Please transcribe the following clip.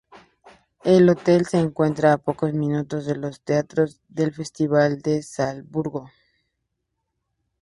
El hotel se encuentra a pocos minutos de los teatros del Festival de Salzburgo.